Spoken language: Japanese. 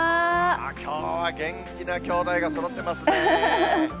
きょうは元気なきょうだいがそろってますね。